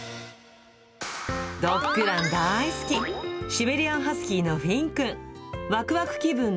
ドッグラン大好き、シベリアンハスキーのフィンくん。